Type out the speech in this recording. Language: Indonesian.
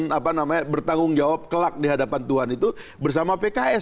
saya tidak akan bertanggung jawab kelak di hadapan tuhan itu bersama pks